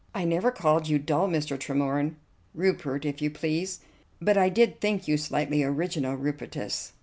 "I never called you dull, Mr. Tremorne " "Rupert, if you please." " but I did think you slightly original, Rupertus.